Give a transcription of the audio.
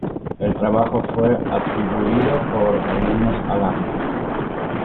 El trabajo fue atribuido por algunos a Lane.